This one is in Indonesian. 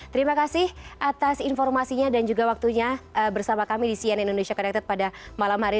terima kasih atas informasinya dan juga waktunya bersama kami di cnn indonesia connected pada malam hari ini